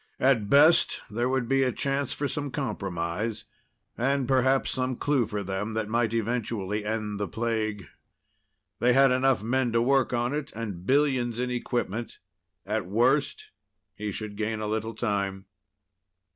At best, there would be a chance for some compromise and perhaps some clue for them that might eventually end the plague. They had enough men to work on it, and billions in equipment. At worst, he should gain a little time.